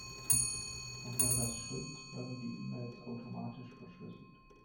Und wenn das stimmt, werden die E-Mails automatisch verschlüsselt.